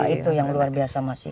itu yang luar biasa masih